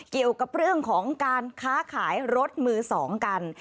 เกี่ยวกับเรื่องของการค้าขายรถมือ๒กัน